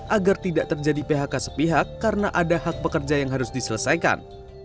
agar tidak terjadi phk sepihak karena ada hak pekerja yang harus diselesaikan